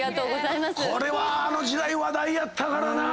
これはあの時代話題やったからなぁ。